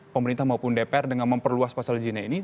pemerintah maupun dpr dengan memperluas pasal zina ini